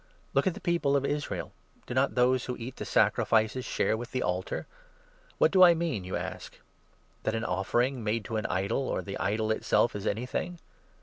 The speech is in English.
Look at the people of Israel. Do not those 18 who eat the sacrifices share with the altar ? What do I mean ? 19 you ask. That an offering made to an idol, or the idol itself, is anything